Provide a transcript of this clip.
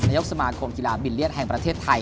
นายกสมาคมกีฬาบิลเลียนแห่งประเทศไทย